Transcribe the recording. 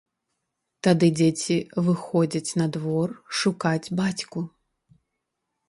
Тады дзеці выходзяць на двор шукаць бацьку.